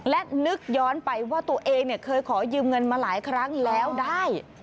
และนึกย้อนไปว่าตัวเองเคยขอยืมเงินมาหลายครั้งแล้วได้